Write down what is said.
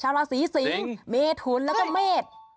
ชาวราศีสิงค์เมฑุร์นแล้วก็เมฆ